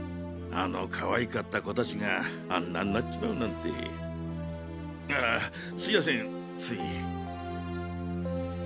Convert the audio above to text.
あの可愛かった子達があんなんなっちまうなんてあすいやせんつい。